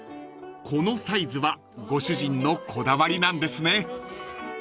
［このサイズはご主人のこだわりなんですね］